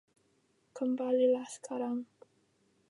Kembalilah sekarang.